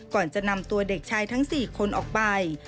ก่อนจะนำตัวเด็กชายทั้ง๔คนออกไป